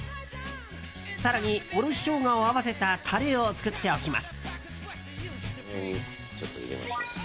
更におろしショウガを合わせたタレを作っておきます。